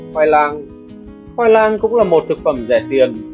năm khoai lang khoai lang cũng là một thực phẩm rẻ tiền